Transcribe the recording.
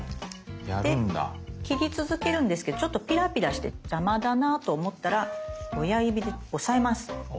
で切り続けるんですけどちょっとピラピラして邪魔だなと思ったら親指で押さえます。